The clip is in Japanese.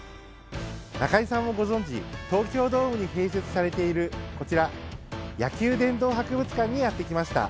中居さんもご存じ東京ドームに併設されているこちら、野球殿堂博物館にやってきました。